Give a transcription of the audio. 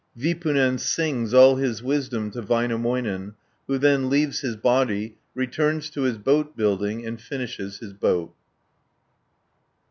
Vipunen sings all his wisdom to Väinämöinen, who then leaves his body, returns to his boat building, and finishes his boat (527 6:28).